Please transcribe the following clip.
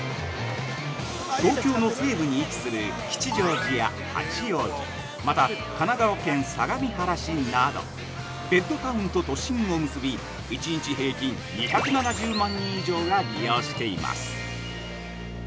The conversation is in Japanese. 東京の西部に位置する吉祥寺や八王子、また、神奈川県相模原市などベッドタウンと都心と結び１日平均２７０万人以上が利用しています。